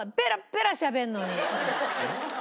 えっ？